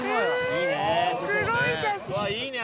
いいねぇ。